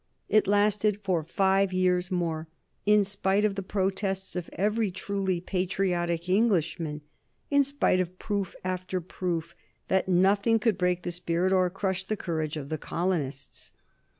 It lasted for five years more, in spite of the protests of every truly patriotic Englishman, in spite of proof after proof that nothing could break the spirit or crush the courage of the colonists.